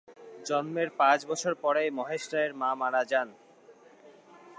জন্মের পাঁচ বছর পরেই মহেশ রায়ের মা মারা যান।